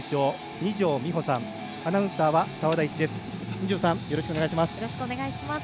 二條さん、よろしくお願いします。